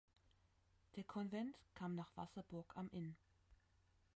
Der Konvent kam nach Wasserburg am Inn.